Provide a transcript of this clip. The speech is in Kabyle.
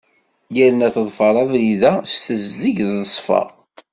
Yerna teḍfer abrid-a s tezdeg d ssfa.